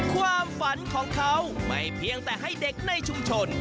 ความฝันของเขาไม่เพียงแต่ให้เด็กในชุมชน